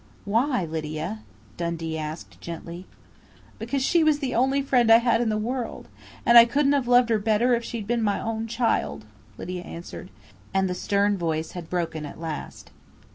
"Why, Lydia?" Dundee asked gently. "Because she was the only friend I had in the world, and I couldn't have loved her better if she'd been my own child," Lydia answered. And the stern voice had broken at last.